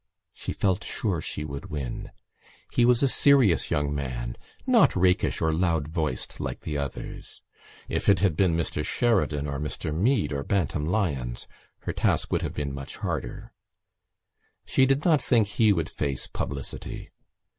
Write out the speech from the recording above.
She felt sure she would win. He was a serious young man, not rakish or loud voiced like the others. If it had been Mr Sheridan or Mr Meade or Bantam Lyons her task would have been much harder. She did not think he would face publicity.